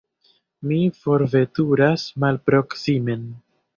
Mi forveturas malproksimen.